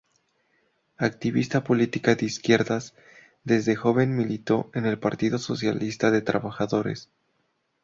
Activista político de izquierdas desde joven, militó en el Partido Socialista de los Trabajadores.